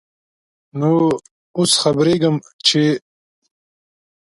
نوو اوس خبريږم ، چې ...